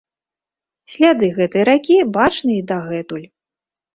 Сляды гэтай ракі бачны і дагэтуль.